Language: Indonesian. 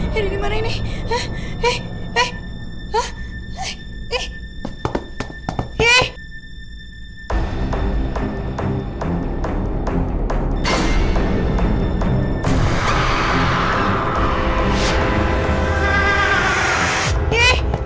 sampai jumpa di video selanjutnya